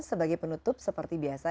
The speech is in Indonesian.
sebagai penutup seperti biasa